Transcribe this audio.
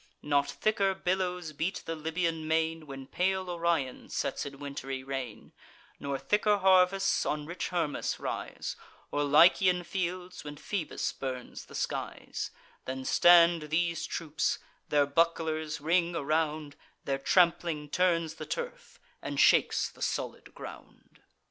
Not thicker billows beat the Libyan main, When pale Orion sets in wintry rain; Nor thicker harvests on rich Hermus rise, Or Lycian fields, when Phoebus burns the skies, Than stand these troops: their bucklers ring around; Their trampling turns the turf, and shakes the solid ground.